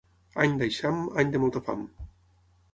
Any d'eixam, any de molta fam.